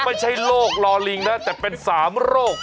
ไม่ใช่โรคลอลิงนะแต่เป็น๓โรค